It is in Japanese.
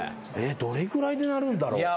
どれぐらいで鳴るんだろう？